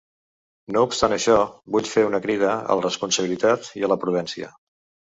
No obstant això, vull fer una crida a la responsabilitat i la prudència.